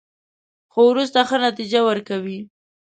خو وروسته ښه نتیجه ورکوي.